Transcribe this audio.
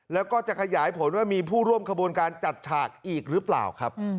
แล้วก็จะขยายผลว่ามีผู้ร่วมขบวนการจัดฉากอีกหรือเปล่าครับ